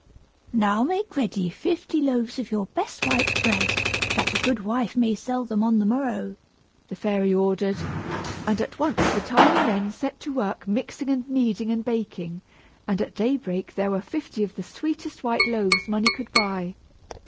"Now make ready fifty loaves of your best white bread, that the goodwife may sell them on the morrow!" the fairy ordered; and at once the tiny men set to work mixing and kneading and baking, and at daybreak there were fifty of the sweetest white loaves money could buy.